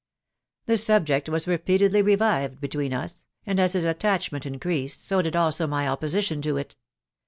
" The subject was repeatedly revived between us, and as his attachment increased, so did also my opposition to it.